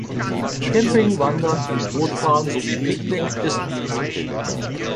Camping, Wandern und Bootfahren sowie Picknick ist möglich.